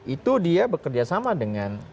itu dia bekerjasama dengan